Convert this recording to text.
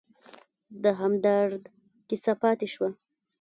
د همدرد کیسه پاتې شوه.